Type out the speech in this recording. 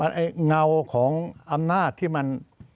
เงาของอำนาจที่มัน